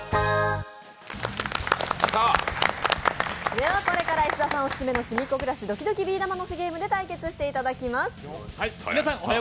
ではこれから石田さんオススメの「すみっコぐらしどきどきビー玉のせゲーム」で対決していただきます。